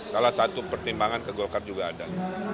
salah satu pertimbangan ke golkar juga ada